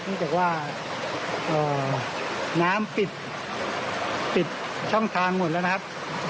เนื่องจากว่าน้ำปิดปิดช่องทางหมดแล้วนะครับ